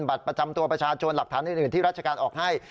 บัตรประจำตัวประชาชนหลักฐานอื่นที่ราชการออกให้